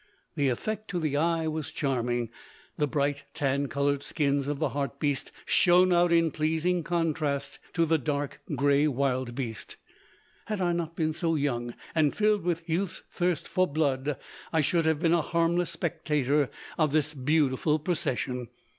The effect to the eye was charming. The bright tan colored skins of the hartbeest shone out in pleasing contrast to the dark gray wildbeest. Had I not been so young, and filled with youth's thirst for blood, I should have been a harmless spectator of this beautiful procession.